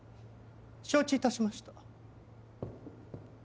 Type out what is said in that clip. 承知致しました。